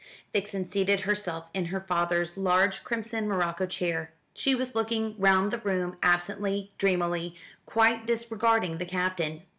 Vixen seated herself in her father's large crimson morocco chair. She was looking round the room absently, dreamily, quite disregarding the Captain.